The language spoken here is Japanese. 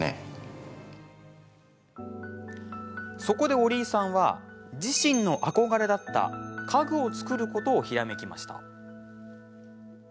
そこで折井さんは自身の憧れだった家具を作ることをひらめきました。